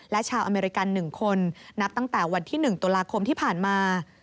และชาวอเมริกัน๑คนนับตั้งแต่วันที่๑ตุลาคมที่ผ่านมา